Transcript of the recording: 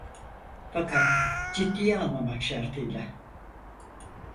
Fakat ciddiye almamak şartıyla!